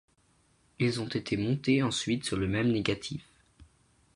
Ils ont été montés ensuite sur le même négatif.